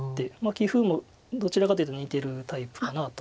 棋風もどちらかというと似てるタイプかなとは思います。